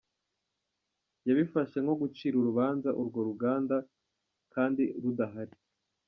Yabifashe nko gucira urubanza urwo ruganda kandi rudahari.